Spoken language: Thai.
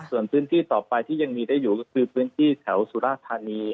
ส่วนพื้นที่ต่อไปที่ยังมีได้อยู่ก็คือพื้นที่แถวสุราธานี